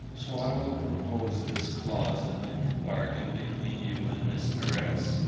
So I will propose this clause in the bargain between you and Mr. S.